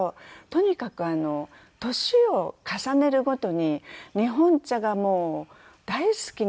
とにかく年を重ねるごとに日本茶がもう大好きになって。